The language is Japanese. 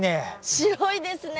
白いですね。